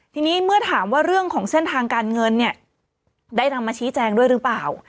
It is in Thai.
ทีนี้เมื่อถามว่าเรื่องของเส้นทางการเงินเนี่ยได้นำมาชี้แจงด้วยหรือเปล่า